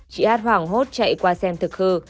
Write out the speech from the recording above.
chị hát hoảng hốt chạy qua xem thực hư